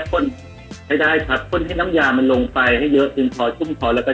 พ่นให้ได้ครับพ่นให้น้ำยามันลงไปให้เยอะจึงพอชุ่มคอแล้วก็